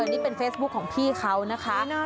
นี่เป็นเฟซบุ๊คของพี่เขานะคะ